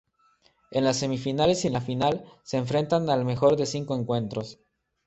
En las semifinales y la final, se enfrentan al mejor de cinco encuentros.